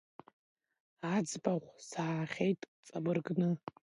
Аӡбахә саҳахьеит, ҵабыргны…